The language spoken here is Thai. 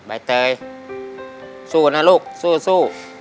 ไอ้เตยสู้กันนะลูกสู้